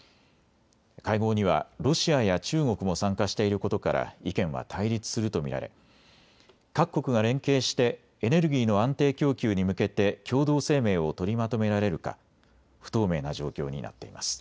会合にはロシアや中国も参加していることから意見は対立すると見られ、各国が連携してエネルギーの安定供給に向けて共同声明を取りまとめられるか不透明な状況になっています。